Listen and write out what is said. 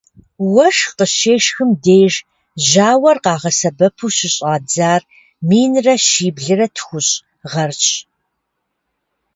Уэшх къыщешхым деж жьауэр къагъэсэбэпу щыщӏадзар минрэ щиблрэ тхущӏ гъэрщ.